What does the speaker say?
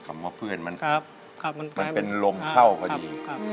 มันเป็นลมเท่าพอดี